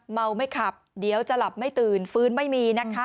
เมาไม่ขับเดี๋ยวจะหลับไม่ตื่นฟื้นไม่มีนะคะ